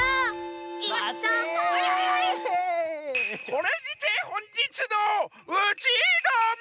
これにてほんじつのうちどめ！